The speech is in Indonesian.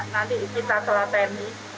nanti kita telah temi